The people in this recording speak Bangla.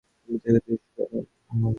আপনি তাকে যেতে দিচ্ছেন না কেন?